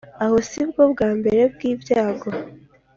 Aho si bwo bwa mbere bw'ibyago